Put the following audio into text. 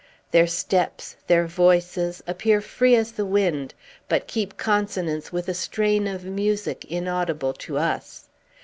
Their steps, their voices, appear free as the wind, but keep consonance with a strain of music inaudible to us.